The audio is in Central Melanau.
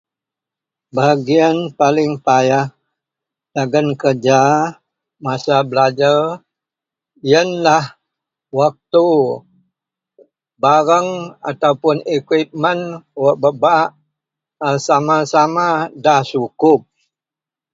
bahagian paling payah dagen kerja, masa belajer ienlah waktu barang ataupun equitment wak bak-bak a sama-sama da sukup